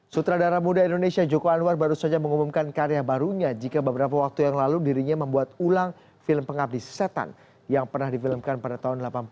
sutradara muda indonesia joko anwar baru saja mengumumkan karya barunya jika beberapa waktu yang lalu dirinya membuat ulang film pengabdi setan yang pernah difilmkan pada tahun seribu delapan ratus